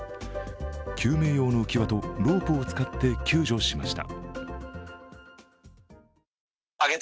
救命用の浮き輪とロープを使って救助しました